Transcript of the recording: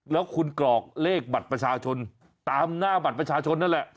แล้วคุณกรอกเลขบัตรประชาชนตามหน้าบัตรประชาชนนั่นแหละ